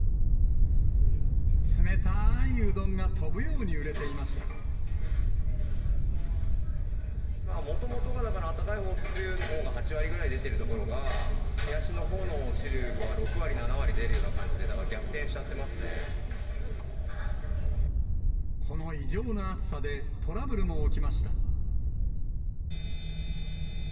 冷たいうどんが飛ぶように売もともとがだから、あったかいほうっていうのが８割ぐらい出てるところが、冷やしのほうの汁が６割、７割出るような感じで、だから、逆転しこの異常な暑さで、トラブルも起きました。